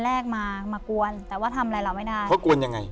ไม่เห็นวันแรกมากวนแต่ว่าทำอะไรเราไม่ได้เพราะกวนยังไง